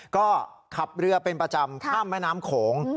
ก็ขับเรือเป็นประจำข้ามแม่น้ำโขง